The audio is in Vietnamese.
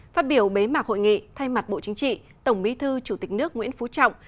phát biểu bế mạc hội nghị thay mặt bộ chính trị tổng bí thư chủ tịch nước nguyễn phú trọng